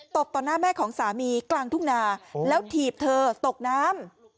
ตบต่อหน้าแม่ของสามีกลางทุ่งนาแล้วถีบเธอตกน้ำ